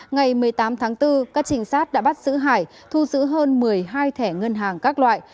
ngày một mươi tám tháng bốn các trinh sát đã bắt giữ hải thu giữ hơn một mươi hai thẻ ngân hàng các loại